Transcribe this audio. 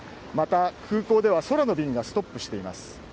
また空港では空の便がストップしています。